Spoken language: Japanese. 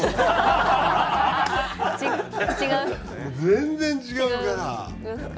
全然違うから。